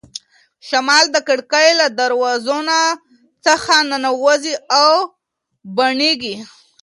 شمال د کړکۍ له درزونو څخه ننوځي او بڼیږي.